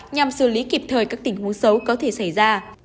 nhằm xử lý kịp thời các tình huống xấu có thể xảy ra